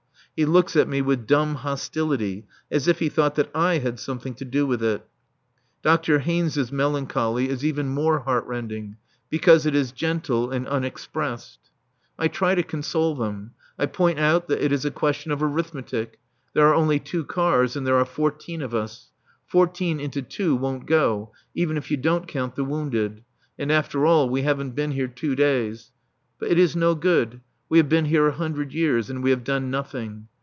He looks at me with dumb hostility, as if he thought that I had something to do with it. Dr. Haynes's melancholy is even more heart rending, because it is gentle and unexpressed. I try to console them. I point out that it is a question of arithmetic. There are only two cars and there are fourteen of us. Fourteen into two won't go, even if you don't count the wounded. And, after all, we haven't been here two days. But it is no good. We have been here a hundred years, and we have done nothing.